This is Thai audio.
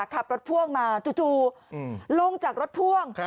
ขับรถพ่วงมาจู่ลงจากรถพ่วง